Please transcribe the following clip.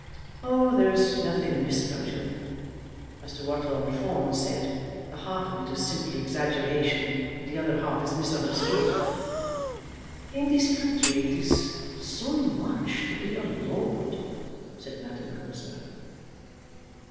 "Oh, there is nothing amiss about him. As to what Lord Fawn said, the half of it is simply exaggeration, and the other half is misunderstood." "In this country it is so much to be a lord," said Madame Goesler.